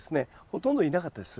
ほとんどいなかったです